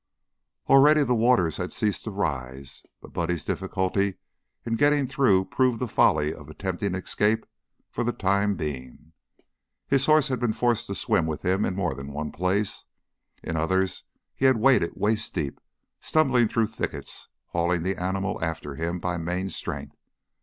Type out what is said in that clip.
Already the waters had ceased to rise, but Buddy's difficulty in getting through proved the folly of attempting escape for the time being; his horse had been forced to swim with him in more than one place; in others he had waded waist deep, stumbling through thickets, hauling the animal after him by main strength.